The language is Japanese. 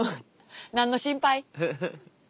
何の心配？